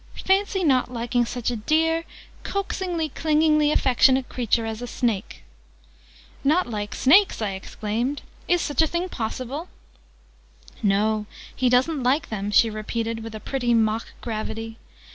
Fancy not liking such a dear, coaxingly, clingingly affectionate creature as a snake!" "Not like snakes!" I exclaimed. "Is such a thing possible?" "No, he doesn't like them," she repeated with a pretty mock gravity.